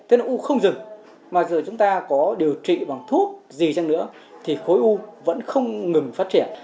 tức là u không dừng mà giờ chúng ta có điều trị bằng thuốc gì chăng nữa thì khối u vẫn không ngừng phát triển